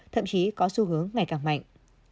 thậm chí có xu hướng ngày càng mạnh